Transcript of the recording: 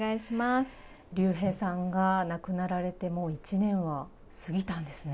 竜兵さんが亡くなられてもう１年が過ぎたんですね。